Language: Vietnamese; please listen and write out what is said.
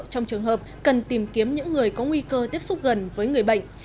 trong trường hợp cần tìm kiếm những người có nguy cơ tiếp xúc gần với người bệnh